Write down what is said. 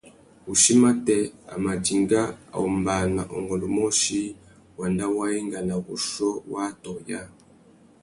Wuchí matê, a mà dinga a ombāna ungôndômôchï wanda wa enga nà wuchiô wa atõh yâā.